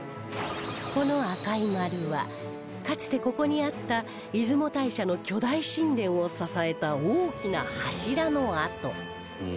この赤い丸はかつてここにあった出雲大社の巨大神殿を支えた大きな柱の跡